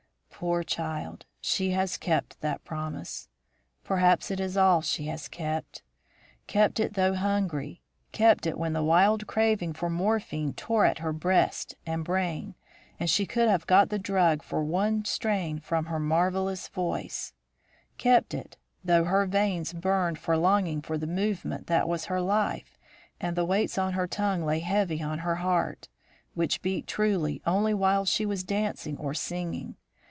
Poor child! she has kept that promise. Perhaps it is all she has kept: kept it, though hungry; kept it when the wild craving for morphine tore at her breast and brain and she could have got the drug for one strain from her marvellous voice; kept it, though her veins burned with longing for the movement that was her life, and the weights on her tongue lay heavy on her heart, which beat truly only while she was dancing or singing.